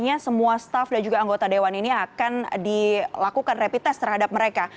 artinya semua staff dan juga anggota dewan ini akan dilakukan rapid test terhadap mereka